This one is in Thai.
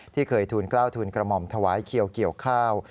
ที่เคยทูลเข้าถูลกระหม่อมถวายเขี่ยวเกลียวข้าว